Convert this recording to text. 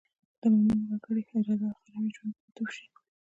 د مومن وګړي اراده اخروي ژوند ته معطوف شي.